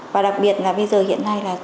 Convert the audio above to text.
và đặc biệt là bây giờ hiện nay là